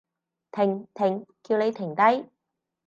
停！停！叫你停低！